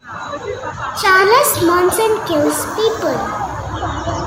Charles Manson kills people.